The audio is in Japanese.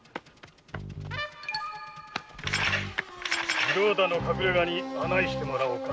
次郎太の隠れがに案内してもらおうか。